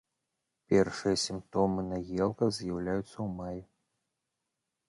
Першыя сімптомы на елках з'яўляюцца ў маі.